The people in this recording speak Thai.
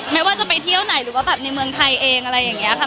ไม่ว่าจะไปเที่ยวไหนหรือว่าแบบในเมืองไทยเองอะไรอย่างนี้ค่ะ